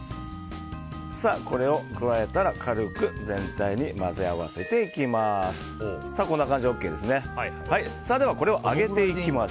これを加えたら軽く全体に混ぜ合わせていきます。